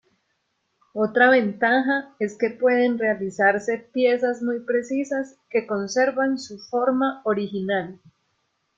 Otra ventaja es que pueden realizarse piezas muy precisas que conservan su forma original.